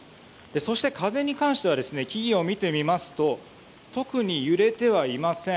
そして、風に関しては木々を見てみますと特に揺れてはいません。